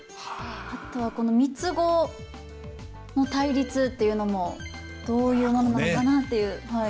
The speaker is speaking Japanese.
あとはこの三つ子の対立っていうのもどういうものなのかなっていう。